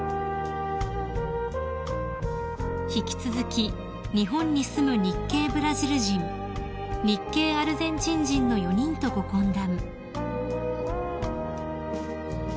［引き続き日本に住む日系ブラジル人日系アルゼンチン人の４人とご懇談］